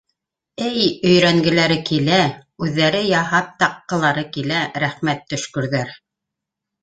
- Эй өйрәнгеләре килә, үҙҙәре яһап таҡҡылары килә, рәхмәт төшкөрҙәр.